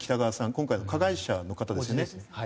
今回の加害者の方ですよね。